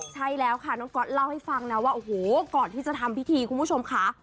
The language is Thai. ใช่แล้วค่ะน้องก๊อตเล่าให้ฟังนะว่าโอ้โหก่อนที่จะทำพิธีคุณผู้ชมค่ะ